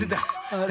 あれ？